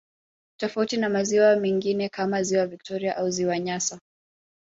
Tofauti na maziwa mengine kama ziwa victoria au ziwa nyasa